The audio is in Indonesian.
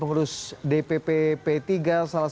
yang menyebabkan kegagalan di p tiga